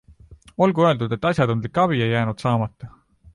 Olgu öeldud, et asjatundlik abi ei jäänud saamata.